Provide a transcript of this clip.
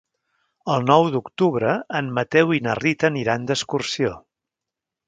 El nou d'octubre en Mateu i na Rita aniran d'excursió.